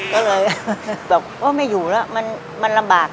บอกไม่อยู่แล้วมันลำบาก